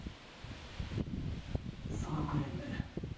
そのクレーム？